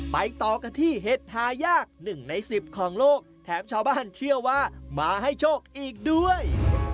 ไปต่อกันที่เห็ดหายาก๑ใน๑๐ของโลกแถมชาวบ้านเชื่อว่ามาให้โชคอีกด้วย